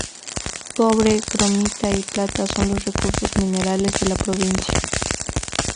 Cobre, cromita y plata son los recursos minerales de la provincia.